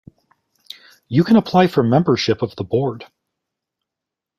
You can apply for membership of the board.